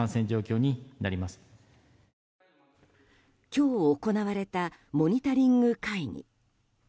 今日、行われたモニタリング会議。